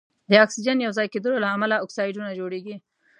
د اکسیجن یو ځای کیدلو له امله اکسایدونه جوړیږي.